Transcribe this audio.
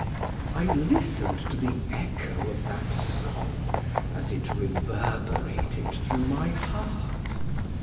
I listened to the echo of that song as it reverberated through my heart.